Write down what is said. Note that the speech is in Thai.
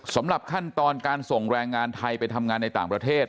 สำหรับขั้นตอนการส่งแรงงานไทยไปทำงานในต่างประเทศ